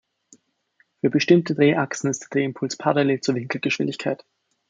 Für bestimmte Drehachsen ist der Drehimpuls parallel zur Winkelgeschwindigkeit.